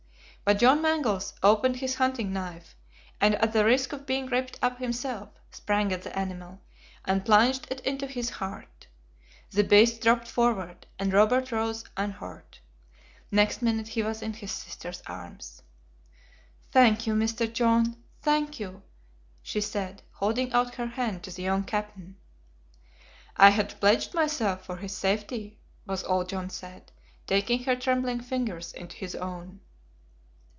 But John Mangles opened his hunting knife, and at the risk of being ripped up himself, sprang at the animal, and plunged it into his heart. The beast dropped forward, and Robert rose unhurt. Next minute he was in his sister's arms. "Thank you, Mr. John, thank you!" she said, holding out her hand to the young captain. "I had pledged myself for his safety," was all John said, taking her trembling fingers into his own.